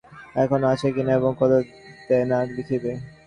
গোপালের এবং সাণ্ডেলের দেনা এখনও আছে কিনা এবং কত দেনা লিখিবে।